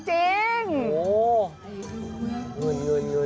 โอ้โหเงินเงินเงิน